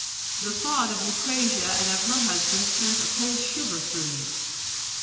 The thought of Lucrezia and of her husband sent a cold shiver through me.